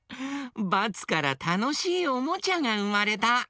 バツからたのしいおもちゃがうまれた！